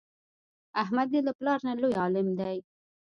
احمد یې له پلار نه لوی عالم دی.